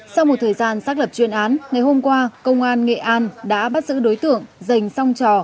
sau một thời gian xác lập chuyên án ngày hôm qua công an nghệ an đã bắt giữ đối tượng dành song trò